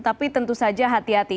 tapi tentu saja hati hati